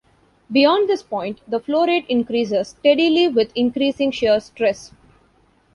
Beyond this point the flow rate increases steadily with increasing shear stress.